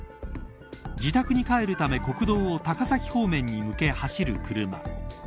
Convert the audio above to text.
自宅に帰るため国道を高崎方面に向け走る車。